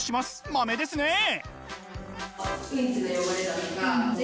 マメですねえ。